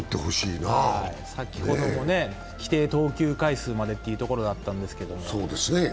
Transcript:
先ほども規定投球回数までというところだったんですけれども。